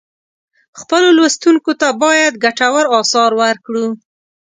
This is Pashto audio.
خپلو لوستونکو ته باید ګټور آثار ورکړو.